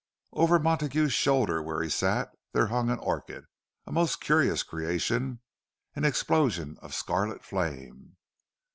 Over Montague's shoulder where he sat, there hung an orchid, a most curious creation, an explosion of scarlet flame.